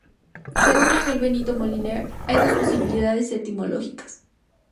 Según Manuel Benito Moliner hay dos posibilidades etimológicas.